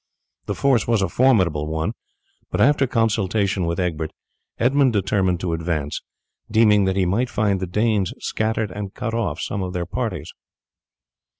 The force was a formidable one, but after consultation with Egbert, Edmund determined to advance, deeming that he might find the Danes scattered and cut off some of their parties.